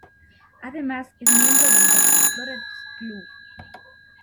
Además es miembro del The Explorers Club.